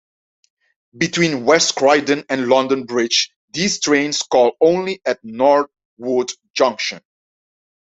Between West Croydon and London Bridge, these trains call only at Norwood Junction.